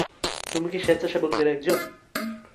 তুমি কি স্বেচ্ছাসেবকদের একজন?